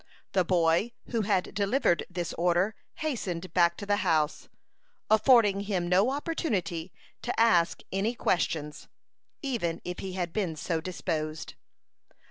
The boy who had delivered this order hastened back to the house, affording him no opportunity to ask any questions, even if he had been so disposed.